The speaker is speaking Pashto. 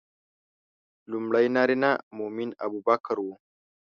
لومړی نارینه مؤمن ابوبکر و.